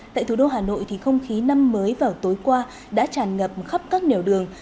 tại thủ đô hà nội thì không khí năm mới vào tối qua đã tràn ngập khắp các nẻo đường